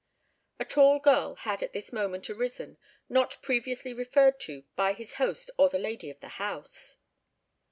A tall girl had at this moment arisen, not previously referred to by his host or the lady of the house.